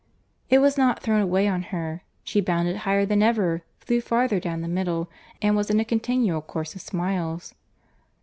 It was not thrown away on her, she bounded higher than ever, flew farther down the middle, and was in a continual course of smiles.